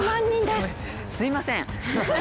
すみません。